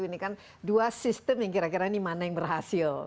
ini kan dua sistem yang kira kira ini mana yang berhasil